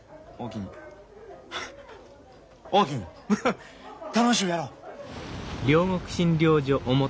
楽しゅうやろう。